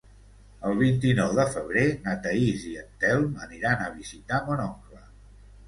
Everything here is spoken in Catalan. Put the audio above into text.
El vint-i-nou de febrer na Thaís i en Telm aniran a visitar mon oncle.